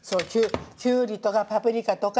キュウリとかパプリカとか。